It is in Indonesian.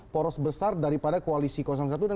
poros besar daripada koalisi satu dan dua